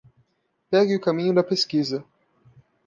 Pegue o caminho da pesquisa